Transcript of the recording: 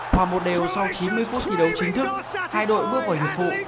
hòa một đều sau chín mươi phút thi đấu chính thức hai đội bước vào hiệp vụ